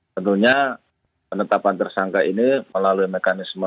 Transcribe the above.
tentunya penetapan tersangka ini melalui mekanisme